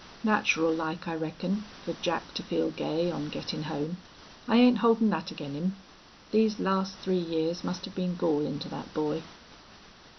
"Natural like, I reckon, fer Jack to feel gay on gettin' home. I ain't holdin' thet ag'in' him. These last three years must have been gallin' to thet boy."